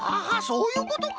そういうことか！